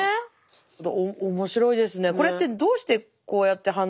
面白いですね。